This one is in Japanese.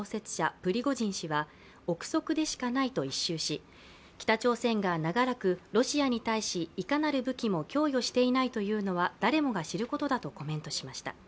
プリゴジン氏は憶測でしかないと一蹴し北朝鮮が長らくロシアに対し、いかなる武器も供与していないというのは誰もが知ることだとコメントしました。